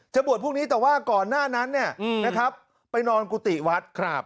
จะบวชพรุ่งนี้ก่อนหน้านั้นนะครับ